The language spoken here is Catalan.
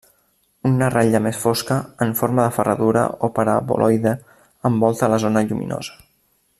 Una ratlla més fosca, en forma de ferradura o paraboloide, envolta la zona lluminosa.